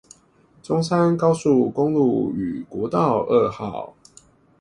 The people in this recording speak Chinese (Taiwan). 中山高速公路與國道二號